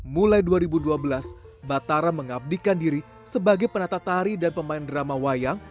mulai dua ribu dua belas batara mengabdikan diri sebagai penata tari dan pemain drama wayang